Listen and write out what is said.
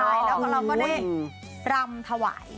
แต่เราก็ได้รำถวาย